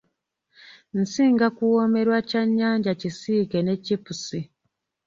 Nsinga kuwoomerwa kyannyanja ekisiike ne chipusi.